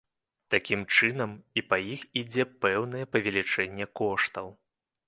Такім чынам, і па іх ідзе пэўнае павелічэнне коштаў.